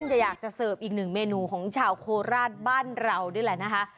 จะอยากจะเสิร์ฟอีกหนึ่งเมนูของชาวโคราชบ้านเรานี่แหละนะคะ